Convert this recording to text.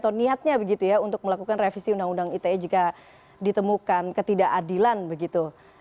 atau niatnya begitu ya untuk melakukan revisi undang undang ite jika ditemukan ketidakadilan begitu